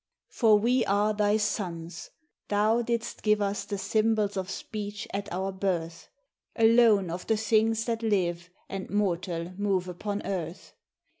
For we are thy sons; thou didst give us the sym bols of speech at our birth. Alone of the things that live, and mortal move upon earth.